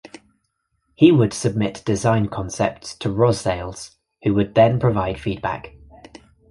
He would submit design concepts to Rosales, who would then provide feedback.